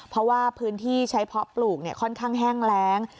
เพราะว่าพื้นที่ใช้เพาะปลูกค่อนข้างแห้งแรง